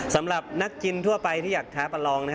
สำหรับนักกินทั่วไปที่อยากท้าประลอง